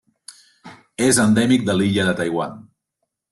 És endèmic de l'illa de Taiwan.